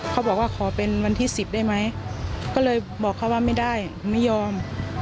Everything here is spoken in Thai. เขาบอกว่าขอเป็นวันที่๑๐ได้ไหมก็เลยบอกเขาว่าไม่ได้ไม่ยอม